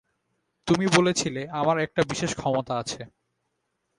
তুমি বলেছিলে আমার একটা বিশেষ ক্ষমতা আছে।